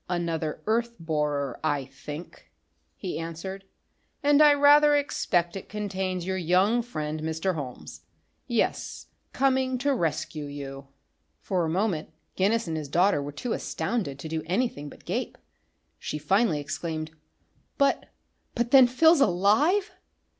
"Another earth borer, I think," he answered. "And I rather expect it contains your young friend Mr. Holmes. Yes coming to rescue you." For a moment Guinness and his daughter were too astounded to do anything but gape. She finally exclaimed: "But but then Phil's alive?"